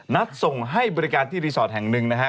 ส่งให้บริการที่รีสอร์ทแห่งหนึ่งนะฮะ